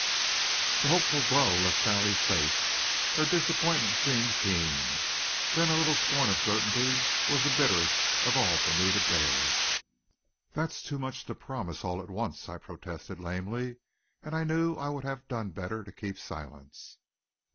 The hopeful glow left Sally's face. Her disappointment seemed keen. Then a little scorn of certainty was the bitterest of all for me to bear. "That's too much to promise all at once," I protested lamely, and I knew I would have done better to keep silence.